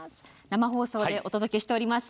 生放送でお届けしております